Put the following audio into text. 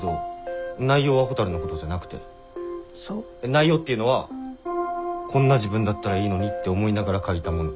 内容っていうのは「こんな自分だったらいいのに」って思いながら書いたもの。